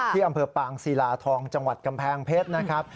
ที่อำเภอปางศิลาทองจังหวัดกำแพงเพชรนะครับ